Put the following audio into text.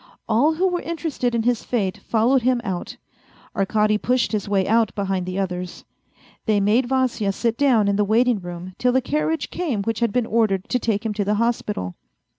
All who were interested in his fate followed him out. Arkady pushed his way out behind the others. They made Vasya sit down in the waiting room till the carriage came which had been ordered to take him to the hospital.